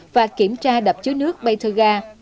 và kiểm tra đập chứa nước baterga